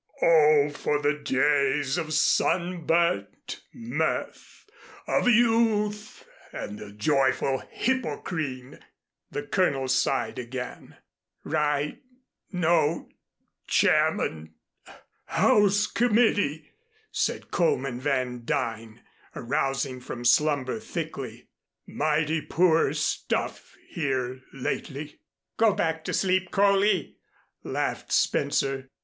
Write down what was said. "Oh, for the days of sunburnt mirth of youth and the joyful Hippocrene!" the Colonel sighed again. "Write note Chairman House Committee," said Coleman Van Duyn, arousing from slumber, thickly, "mighty poor stuff here lately." "Go back to sleep, Coley," laughed Spencer.